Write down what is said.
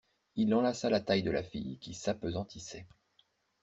Il enlaça la taille de la fille qui s'appesantissait.